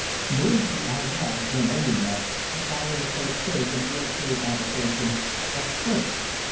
Briefly, I was, when old enough, to follow the prosaic and ill paid avocation of clerk.